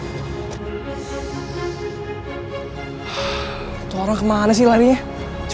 itu orang kemana sih larinya